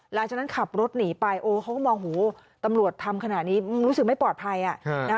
หลังจากนั้นขับรถหนีไปโอ้เขาก็มองหูตำรวจทำขนาดนี้รู้สึกไม่ปลอดภัย